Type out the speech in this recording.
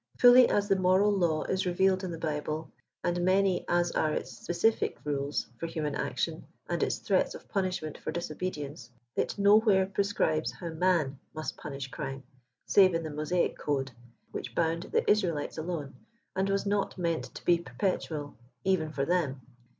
Fully as the moral law is revealed in the Bible, and many as are its specific rules for human action, and its threats of punishment for disobedience, it no where prescribes how man must punish crime, save in the Mosaic code, which bound the Israelites alone, and was not meant to be perpetual, even for them.